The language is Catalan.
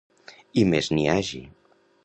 I més n'hi hagi.